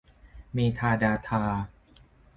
เมทาดาทา